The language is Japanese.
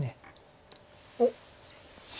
おっ。